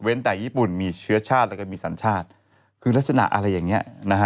แต่ญี่ปุ่นมีเชื้อชาติแล้วก็มีสัญชาติคือลักษณะอะไรอย่างเงี้ยนะฮะ